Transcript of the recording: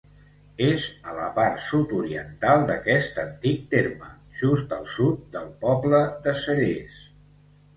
És a la part sud-oriental d'aquest antic terme, just al sud del poble de Cellers.